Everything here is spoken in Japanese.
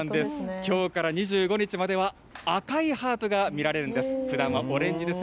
きょうから２５日までは、赤いハートが見られるんです。